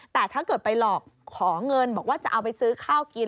แต่ถ้าเกิดไปหลอกขอเงินบอกว่าจะเอาไปซื้อข้าวกิน